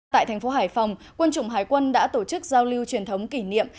tại thành phố hải phòng quân chủng hải quân đã tổ chức giao lưu truyền thống kỷ niệm